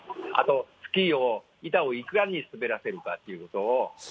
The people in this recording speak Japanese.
あと、スキーを、板をいかに滑らせるかっていうことで。